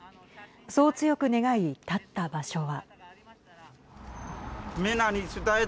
そう強く願い、立った場所は。